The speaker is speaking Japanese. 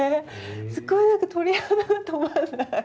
すごい鳥肌が止まらない。